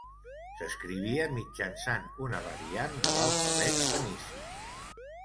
S'escrivia mitjançant una variant de l'alfabet fenici.